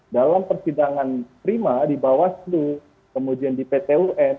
dalam persidangan prima di bawaslu kemudian di pt un